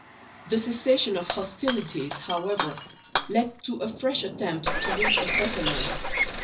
The cessation of hostilities, however, led to a fresh attempt to reach a settlement.